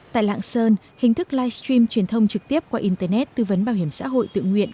tại lạng sơn hình thức livestream truyền thông trực tiếp qua internet tư vấn bảo hiểm xã hội tự nguyện